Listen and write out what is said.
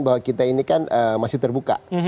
bahwa kita ini kan masih terbuka